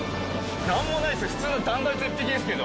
何もないっすね。